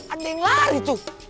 ada yang lari tuh